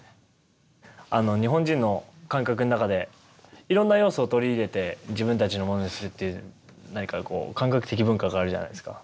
あの日本人の感覚の中でいろんな要素を取り入れて自分たちのものにするっていう何か感覚的文化があるじゃないですか。